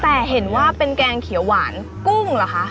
แต่เห็นว่าเป็นแกงเขียวหวานกุ้งเหรอคะ